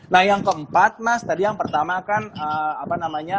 nah yang keempat mas tadi yang pertama kan apa namanya